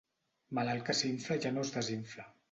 Malalt que s'infla ja no es desinfla.